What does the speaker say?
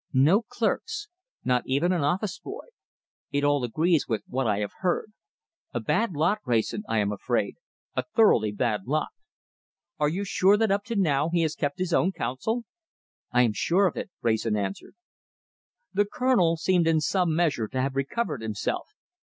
"No clerks not even an office boy! It all agrees with what I have heard. A bad lot, Wrayson, I am afraid a thoroughly bad lot. Are you sure that up to now he has kept his own counsel?" "I am sure of it," Wrayson answered. The Colonel seemed in some measure to have recovered himself.